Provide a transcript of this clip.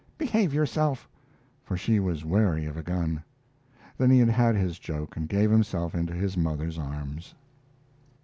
"Behave yourself," for she was wary of a gun. Then he had had his joke and gave himself into his mother's arms.